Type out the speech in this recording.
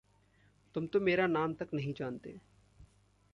तुम तो मेरा नाम तक नहीं जानते।